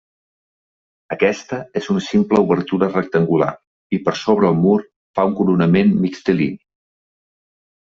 Aquesta és una simple obertura rectangular i per sobre el mur fa un coronament mixtilini.